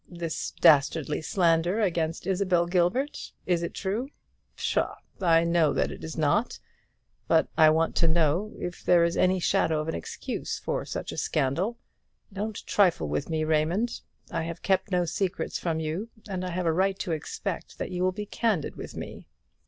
"This dastardly slander against Isabel Gilbert. Is it true? Pshaw! I know that it is not. But I want to know if there is any shadow of an excuse for such a scandal. Don't trifle with me, Raymond; I have kept no secrets from you; and I have a right to expect that you will be candid with me."